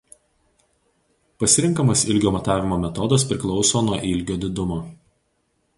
Pasirenkamas ilgio matavimo metodas priklauso nuo ilgio didumo.